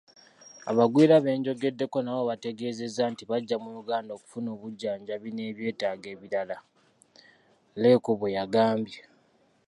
“Abagwira benjogeddeko nabo bantegeezezza nti bajja mu Uganda okufuna obujjanjabi n'ebyetaago ebirala,” Leku bweyagambye.